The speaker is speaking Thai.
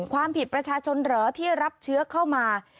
ความผิดประชาชนเหรอที่รับเชื้อเข้ามา